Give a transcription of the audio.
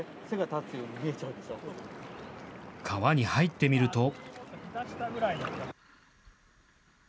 川に入ってみると。